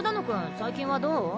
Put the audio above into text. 最近はどう？